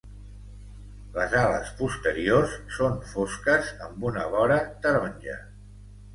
Les ales posteriors són fosques amb una vora taronja.